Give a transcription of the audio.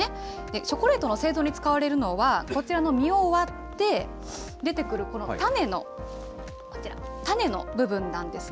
チョコレートの製造に使われるのは、こちらの実を割って、出てくるこの種のこちら、種の部分なんですね。